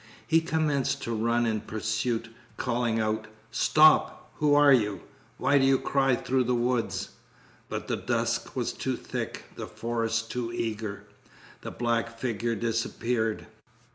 He commenced to run in pursuit, calling out: "Stop! Who are you? Why do you cry through the woods?" But the dusk was too thick, the forest too eager. The black figure disappeared.